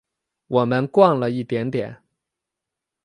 我们逛了一点点